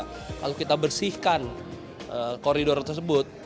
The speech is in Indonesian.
kalau kita bersihkan koridor tersebut